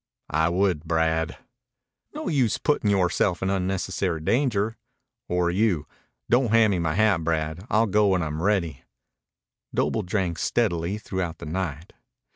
"I would, Brad." "No use you puttin' yoreself in unnecessary danger." "Or you. Don't hand me my hat, Brad. I'll go when I'm ready." Doble drank steadily throughout the night.